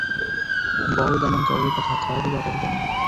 বও দামান কওরে কথা, খাওরে বাটার পান।